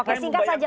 oke singkat saja